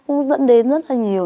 cũng dẫn đến rất là nhiều